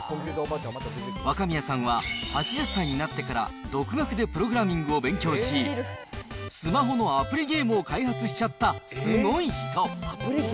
若宮さんは８０歳になってから独学でプログラミングを勉強し、スマホのアプリゲームを開発しちゃったすごい人。